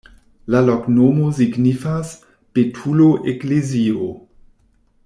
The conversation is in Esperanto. La loknomo signifas: betulo-eklezio.